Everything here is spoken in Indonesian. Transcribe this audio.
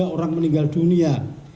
tiga orang meninggal dunia